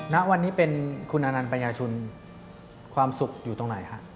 ณวันนี้เป็นคุณอนันต์ปัญญาชุนความสุขอยู่ตรงไหนฮะ